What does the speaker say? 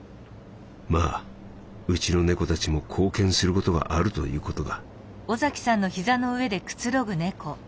まあうちの猫たちも貢献することがあるということだ」。